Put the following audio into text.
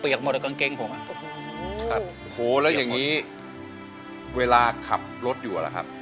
เปียกหมดกางเกงผมอ่ะโอ้โหแล้วอย่างนี้เวลาขับรถอยู่อ่ะล่ะครับ